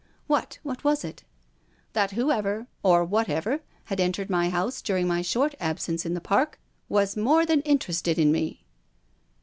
"What? What was it?" " That whoever — or whatever — had entered my house during my short absence in the Park was more than interested in me."